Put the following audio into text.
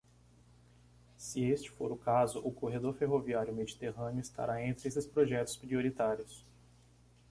Se este for o caso, o corredor ferroviário mediterrâneo estará entre esses projetos prioritários.